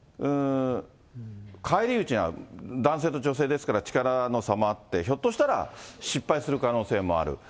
返り討ちに遭う、男性と女性ですから、力の差もあって、ひょっとしたら失敗する可能性もある。